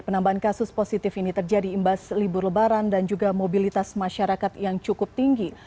penambahan kasus positif ini terjadi imbas libur lebaran dan juga mobilitas masyarakat yang cukup tinggi